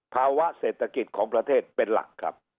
ภาวะเศรษฐกิจของประเทศเป็นหลักครับ